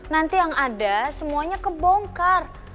nanti yang ada semuanya kebongkar